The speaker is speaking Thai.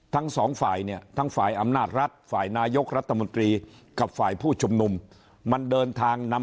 ทั้งสองฝ่ายเนี่ยทั้งฝ่ายอำนาจรัฐฝ่ายนายกรัฐมนตรีกับฝ่ายผู้ชมนุม